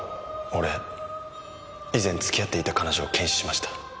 俺以前付き合っていた彼女を検視しました。